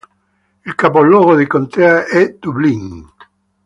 Il capoluogo di contea è Dublin.